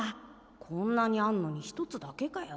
こんなにあんのに１つだけかよ。